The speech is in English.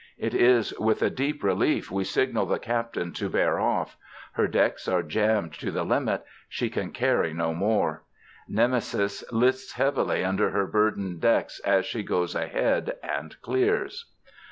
It is with a deep relief we signal the captain to bear off. Her decks are jammed to the limit. She can carry no more. Nemesis lists heavily under her burdened decks as she goes ahead and clears.